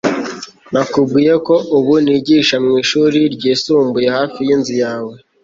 nakubwiye ko ubu nigisha mwishuri ryisumbuye hafi yinzu yawe